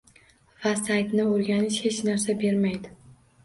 Va saytni o'rganish hech narsa bermaydi